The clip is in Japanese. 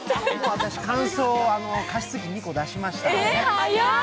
私、加湿器２個出しました。